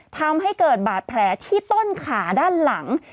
ทำให้เกิดบาดแผลที่ต้นขาด้านหลัง